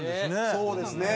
そうですね。